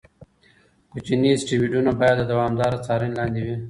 کوچني اسټروېډونه باید د دوامداره څارنې لاندې وي.